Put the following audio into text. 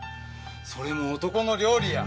それも男の料理や。